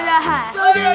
tahan sobri tahan